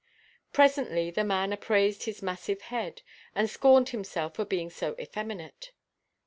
Presently the man upraised his massive head, and scorned himself for being so effeminate.